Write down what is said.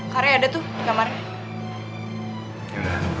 karya ada tuh di kamarnya